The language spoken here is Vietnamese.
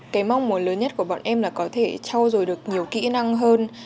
cái mong muốn lớn nhất của bọn em là có thể trao dồi được nhiều kỹ năng hơn